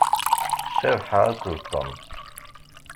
Cabḥa akked Tom.